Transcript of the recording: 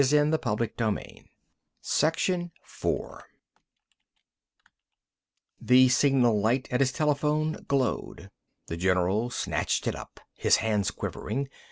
And the only way to win it—" The signal light at his telephone glowed. The general snatched it up, his hands quivering.